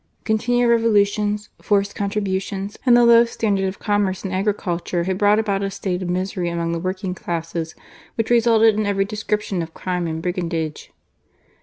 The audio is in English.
Continual Revo ^ Intibnsi jfbrced contributions, and the low standard of commerce and agricnltore had brought about a state of misery among the working classes which resulted in every description of crime and brigandage.